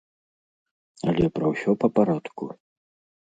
Але пра ўсё па парадку.